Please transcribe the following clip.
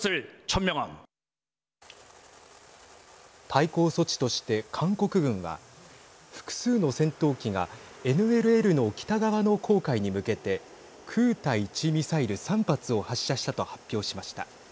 対抗措置として韓国軍は複数の戦闘機がＮＬＬの北側の公海に向けて空対地ミサイル３発を発射したと発表しました。